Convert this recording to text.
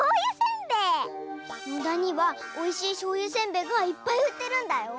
野田にはおいしいしょうゆせんべいがいっぱいうってるんだよ。